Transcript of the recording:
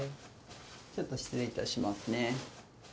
ちょっと失礼いたしますね。